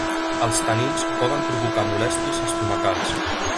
Els tanins poden provocar molèsties estomacals.